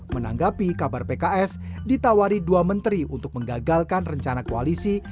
menanggapi kabar pks ditawari dua menteri untuk menggagalkan rencana koalisi